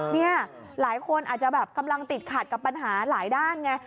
นี่หลายคนอาจจะแบบกำลังติดขัดกับปัญหาหลายด้านไง